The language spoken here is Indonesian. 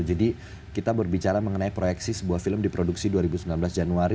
jadi kita berbicara mengenai proyeksi sebuah film di produksi dua ribu sembilan belas januari